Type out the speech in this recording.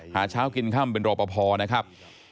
หาเช้ากินข้ามเป็นโรปพอนะครับ